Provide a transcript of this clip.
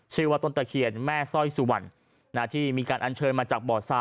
ชื่อว่าต้นตะเคียนแม่สร้อยสุวรรณที่มีการอัญเชิญมาจากบ่อซา